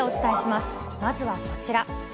まずはこちら。